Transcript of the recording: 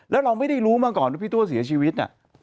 แล้วเราไม่ได้รู้มาก่อนว่าพี่ตัวเสียชีวิต